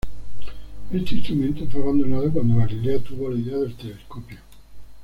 Este instrumento fue abandonado cuando Galileo tuvo la idea del telescopio.